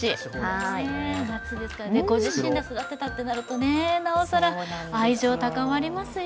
夏ですからご自身で育てたとなると、なおさら、愛情高まりますよ。